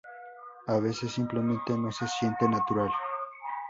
A veces, simplemente no se siente natural.